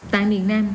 tại miền nam